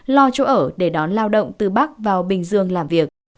lo chỗ ở để đón lao động từ bắc vào bình dương làm việc